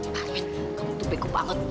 pak ruin kamu tuh beku banget